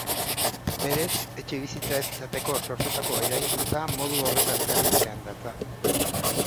Berez, etxebizitza ez izateko sortutako eraikuntza modu horretan erabiltzean datza.